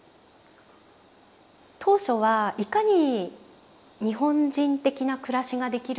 当初はいかに日本人的な暮らしができるか。